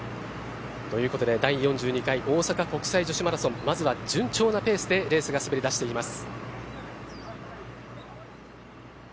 第４２回大阪国際女子マラソンまずは順調なペースでレースが滑り出しています。